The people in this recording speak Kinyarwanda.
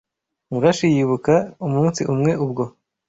Murashi yibuka umunsi umwe ubwo